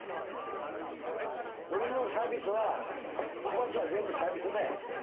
俺のサービスは、小鉢は全部サービスだよ。